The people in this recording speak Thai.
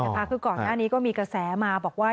คือก่อนหน้านี้ก็มีกระแสมาบอกว่า